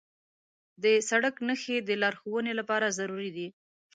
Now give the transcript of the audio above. د سړک نښې د لارښوونې لپاره ضروري دي.